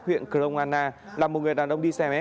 huyện kroana là một người đàn ông đi xe máy